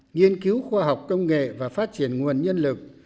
nghiên cứu khoa học công nghệ và phát triển nguồn nhân lực